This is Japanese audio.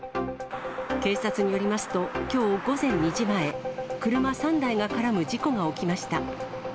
警察によりますと、きょう午前２時前、車３台が絡む事故が起きました。